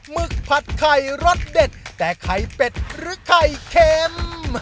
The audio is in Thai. หึกผัดไข่รสเด็ดแต่ไข่เป็ดหรือไข่เค็ม